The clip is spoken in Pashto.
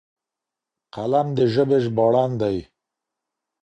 قلم د ژبې ژباړن دی.